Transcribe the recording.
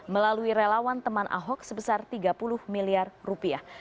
melalui relawan teman ahok sebesar tiga puluh miliar rupiah